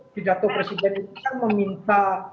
pidato presiden itu kan meminta